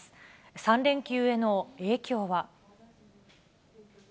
３連休への影響は。